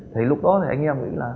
thì lúc đó thì anh em nghĩ là